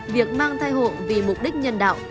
việc mang thai hộ vì mục đích nhân đạo